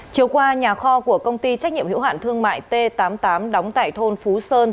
chiều qua nhà kho của công ty trách nhiệm hiệu hạn thương mại t tám mươi tám đóng tại thôn phú sơn